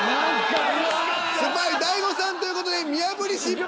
スパイ大悟さんという事で見破り失敗！